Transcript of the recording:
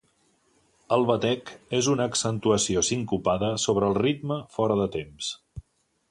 El batec és una accentuació sincopada sobre el ritme fora de temps.